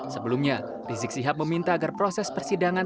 sebelumnya rizik sihab meminta agar proses persidangan